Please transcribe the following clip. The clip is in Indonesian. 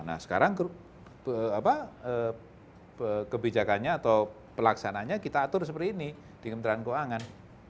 nah sekarang kebijakannya atau pelaksananya kita atur seperti ini di kementerian keuangan